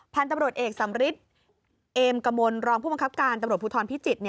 พันธุ์ตำรวจเอกสำริทเอมกมลรองผู้บังคับการตำรวจภูทรพิจิตร